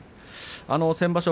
先場所